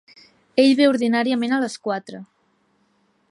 Ell ve ordinàriament a les quatre.